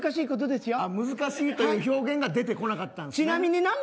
難しいという表現が出てこなかったんですね。